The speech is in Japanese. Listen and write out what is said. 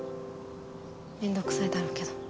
面倒くさいだろうけど。